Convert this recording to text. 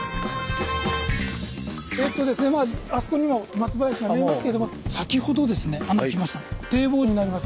えっとあそこにも松林が見えますけども先ほど歩きました堤防になります。